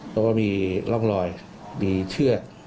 เพราะว่ามีร่องลอยมีเชื่อ